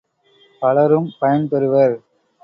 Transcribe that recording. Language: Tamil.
பலரும் பயன் பெறுவர்.